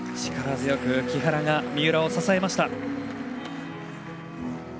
力強く木原が三浦を支えました。